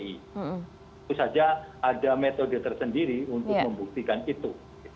itu saja ada metode tersendiri untuk membuktikan itu